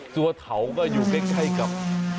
ตัวเถาก็อยู่ใกล้กับ